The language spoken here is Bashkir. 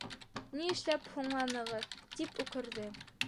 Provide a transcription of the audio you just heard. — Ни эшләп һуңланығыҙ? - тип үкерҙе.